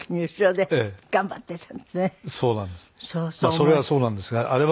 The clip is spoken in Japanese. それはそうなんですがあれは。